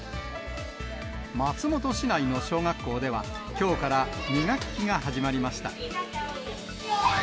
松本市内の小学校では、きょうから２学期が始まりました。